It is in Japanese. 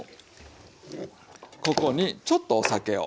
ここにちょっとお酒を。